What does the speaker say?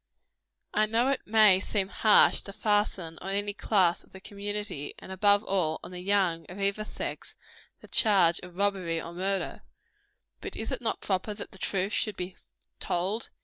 I know it may seem harsh to fasten on any class of the community, and above all, on the young of either sex, the charge of robbery or murder. But is it not proper that the truth should be told?